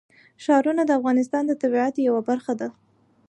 ښارونه د افغانستان د طبیعت یوه برخه ده.